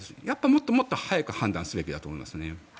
もっともっと早く判断すべきだと思いますね。